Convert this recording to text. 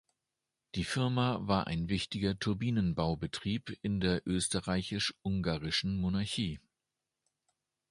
Die Firma war ein wichtiger Turbinenbau-Betrieb in der Österreich-Ungarischen Monarchie.